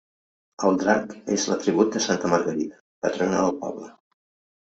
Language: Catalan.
El drac és l'atribut de santa Margarida, patrona del poble.